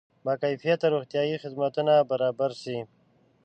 با کیفیته روغتیایي خدمتونه برابر شي.